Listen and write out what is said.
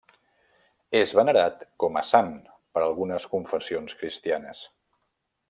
És venerat com a sant per algunes confessions cristianes.